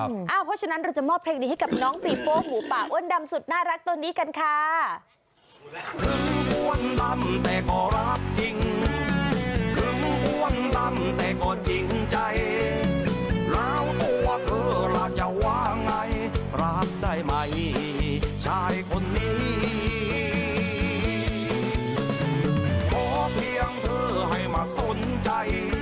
เพราะฉะนั้นเราจะมอบเพลงนี้ให้กับน้องปีโป้หมูป่าอ้วนดำสุดน่ารักตัวนี้กันค่ะ